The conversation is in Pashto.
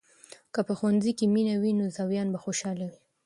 که په ښوونځي کې مینه وي، نو زویان به خوشحال وي.